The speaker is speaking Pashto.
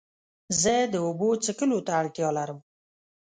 زه د اوبو څښلو ته اړتیا لرم.